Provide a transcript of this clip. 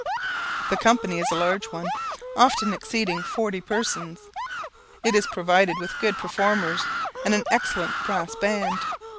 The company is a large one, often exceeding forty persons; it is provided with good performers, and an excellent brass band.